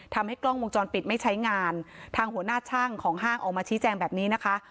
ทำให้กล้องวงจรปิดไม่ใช้งานทางหัวหน้าช่างของห้างออกมาชี้แจงแบบนี้นะคะ